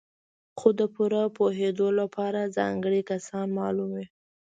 خو د پوره پوهېدو لپاره ځانګړي کسان معلوم وي.